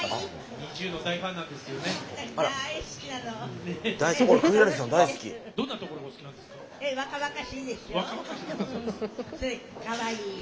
ＮｉｚｉＵの大ファンなんですよね。